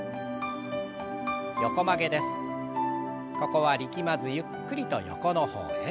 ここは力まずゆっくりと横の方へ。